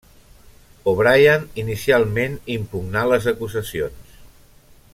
O'Brien inicialment impugnà les acusacions.